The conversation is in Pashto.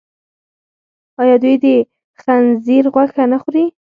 آیا دوی د خنزیر غوښه نه صادروي؟